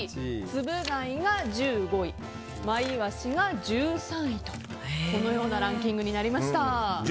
つぶ貝が１５位真いわしが１３位とこのようなランキングになりました。